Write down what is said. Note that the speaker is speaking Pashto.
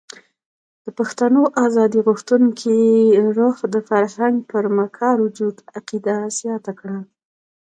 د پښتنو ازادي غوښتونکي روح د فرنګ پر مکار وجود عقیده زیاته کړه.